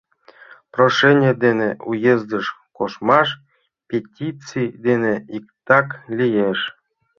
Прошений дене уездыш коштмаш — петиций дене иктак лиеш.